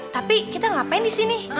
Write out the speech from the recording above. tapi kita ngapain di sini